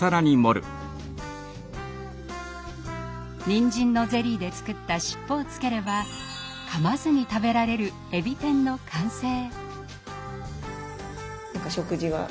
にんじんのゼリーで作った尻尾をつければかまずに食べられるえび天の完成。